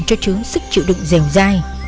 cho chứa sức chịu đựng dèo dài